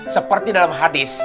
seperti dalam hadis